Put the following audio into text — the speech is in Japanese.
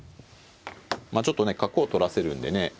まあちょっとね角を取らせるんでね